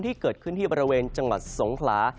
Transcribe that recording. ที่เกิดขึ้นเป็นอุบัตินที่บริเวณจังหวะสงขลา